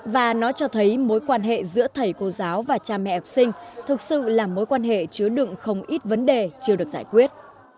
và nó cho thấy mối quan hệ giữa thầy cô giáo và cha mẹ học sinh thực sự là mối quan hệ chứa đựng không ít vấn đề chưa được giải quyết